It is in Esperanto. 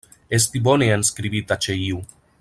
Esti bone enskribita ĉe iu.